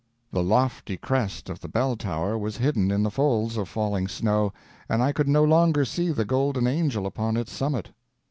The lofty crest of the bell tower was hidden in the folds of falling snow, and I could no longer see the golden angel upon its summit.